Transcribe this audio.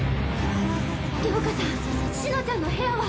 涼楓さん紫乃ちゃんの部屋は？